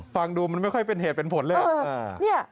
ฟังดูมันไม่ค่อยเป็นเหตุเป็นผลเลย